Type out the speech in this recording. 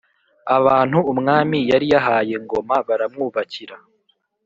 abantu umwami yari yahaye Ngoma baramwubakira.